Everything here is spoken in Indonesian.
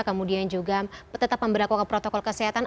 kemudian juga tetap memperlakukan protokol kesehatan